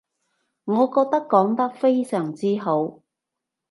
我覺得講得非常之好